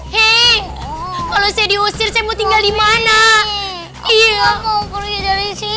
hei kalau saya diusir saya mau tinggal di mana iya